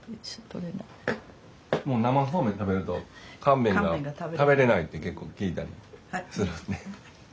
もう生そうめん食べると乾麺が食べれないって結構聞いたりするんで。